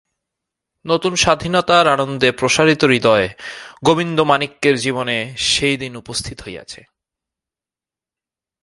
নূতন স্বাধীনতার আনন্দে প্রসারিতহৃদয় গোবিন্দমাণিক্যের জীবনে সেই দিন উপস্থিত হইয়াছে।